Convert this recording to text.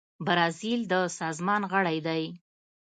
برازیل د سازمان غړی دی.